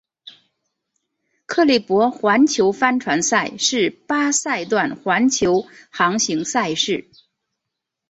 克利伯环球帆船赛是八赛段环球航行赛事。